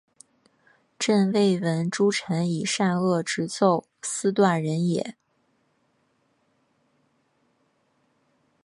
朕未闻诸臣以善恶直奏斯断人也！